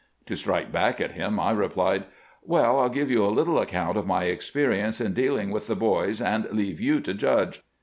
To strike back at him, I replied :* WeU, I 'U give you a little account of my experience in dealing with the boys, and leave you to judge.